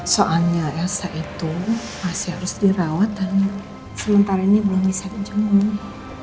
soalnya elsa itu masih harus dirawat dan sementara ini belum bisa dijemur